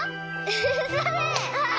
それ！